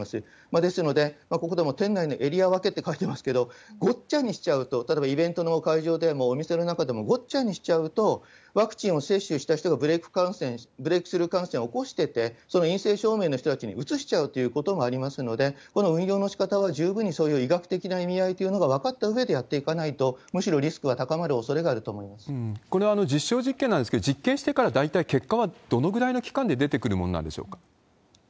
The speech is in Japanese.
ですので、ここでも店内のエリア分けと書いていますけれども、ごっちゃにしちゃうと、例えばイベントの会場でもお店の中でごっちゃにしちゃうと、ワクチンを接種した人がブレークスルー感染を起こしてて、その陰性証明の人たちにうつしてしまうということもありますので、この運用のしかたは十分にそういう医学的な意味合いというものが分かったうえでやっていかないと、むしろリスクは高まるおそれがあこれ、実証実験なんですけど、実験してから大体結果は、どのぐらいの期間で出てくるもんなんでしょうか。